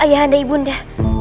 ayah anda ibu unda